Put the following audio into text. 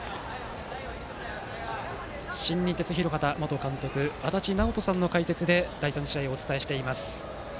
新日鉄広畑元監督足達尚人さんの解説で第３試合をお伝えしています。